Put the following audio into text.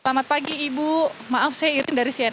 selamat pagi ibu maaf saya irin dari cnn